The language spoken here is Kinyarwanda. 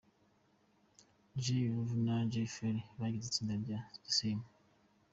Jay Luv na Jay Farry bagize itsinda rya The Same.